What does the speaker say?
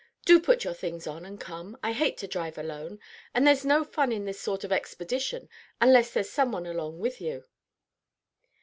Do put your things on, and come. I hate to drive alone; and there's no fun in this sort of expedition unless there's some one along with you."